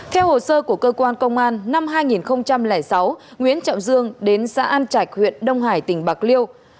theo hồ sơ của cơ quan công an năm hai nghìn sáu nguyễn trọng dương đến xã an trạch huyện đông hải tỉnh bạc liêu